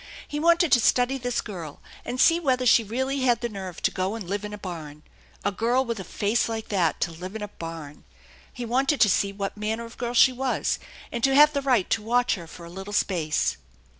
He wanted to study this girl and see whether she really had the nerve to go and live in a barn a girl with a face like that to live in a barn ! He wanted to see what man ner of girl she was, and to have the right to watch her for a little space.